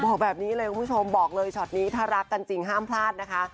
บอกแบบนี้เลยคุณผู้ชมบอกเลยช็อตนี้ถ้ารักกันจริงห้ามพลาดนะคะ